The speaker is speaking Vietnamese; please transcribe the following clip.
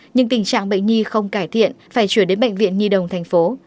nhưng tình trạng bệnh nhi không cải thiện phải chuyển đến bệnh viện nhi đồng thành phố